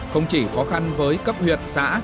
không chỉ khó khăn với cấp huyệt xã